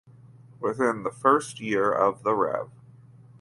Within the first year of the Rev.